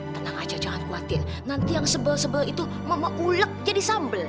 tenang aja jangan khawatir nanti yang seber seber itu mak mak ulek jadi sambel